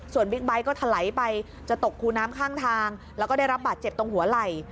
ส่วนบิ๊กไบท์ก็ถลายไปจะตกคูน้ำข้างทางแล้วก็ได้รับบาดเจ็บตรงหัวไหล่